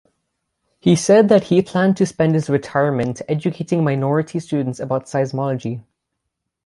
He said that he planned to spend his retirement educating minority students about seismology.